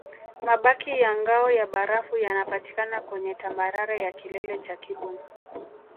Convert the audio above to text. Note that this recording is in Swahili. Mabaki ya ngao ya barafu yanapatikana kwenye tambarare ya kilele cha kibo